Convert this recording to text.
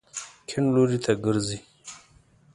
کیڼ لوري ته ګرځئ